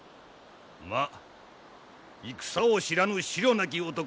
まあ戦を知らぬ思慮なき男